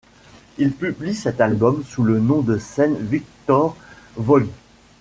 Il publie cet album sous le nom de scène Viktor Vaughn.